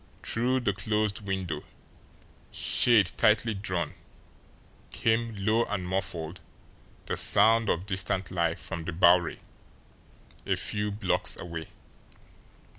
Through the closed window, shade tightly drawn, came, low and muffled, the sound of distant life from the Bowery, a few blocks away.